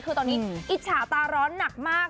คือตอนนี้อิจฉาตาร้อนหนักมาก